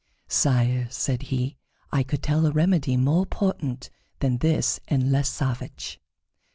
"Sire," said he, "I could tell a remedy more potent than this and less savage."